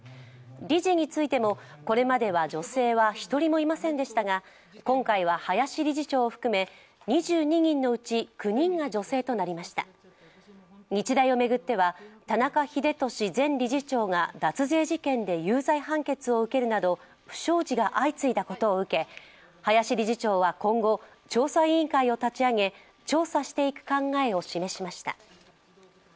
理事についてもこれまでは女性は１人もいませんでしたが今回は林理事長を含め２２人のうち９人が女性となりました日大を巡っては、田中英寿前理事長が脱税事件で有罪判決を受けるなど不祥事が相次いだことを受け林理事長は今後調査委員会を立ち上げ調査していく考えを示しました。